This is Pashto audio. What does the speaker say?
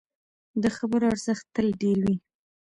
د خبرو ارزښت تل ډېر وي